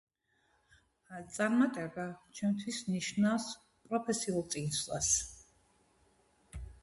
წარმატება ჩემთვის ნიშნავს პროფესიულ წინსვლას